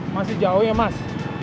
masih jauh ya mas